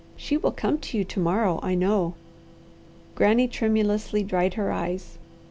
She will come to you to morrow, I know." Granny tremulously dried her eyes.